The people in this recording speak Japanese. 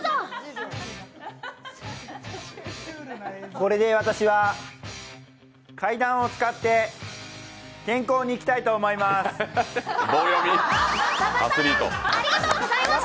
これで私は階段を使って健康にいきたいと思います。